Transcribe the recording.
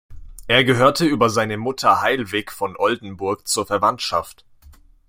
Er gehörte über seine Mutter Heilwig von Oldenburg zur Verwandtschaft.